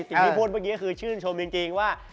ที่พูดเมื่อกี้คือชื่นชมจริงว่า